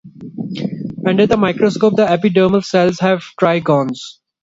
Under a microscope, the epidermal cells have trigones.